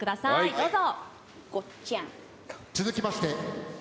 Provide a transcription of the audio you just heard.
どうぞ。